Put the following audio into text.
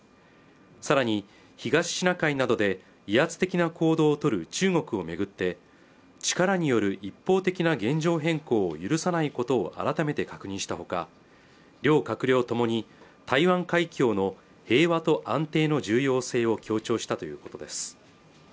さらに東シナ海などで威圧的な行動をとる中国をめぐって力による一方的な現状変更を許さないことを改めて確認したほか両閣僚ともに台湾海峡の平和と安定の重要性を強調したということです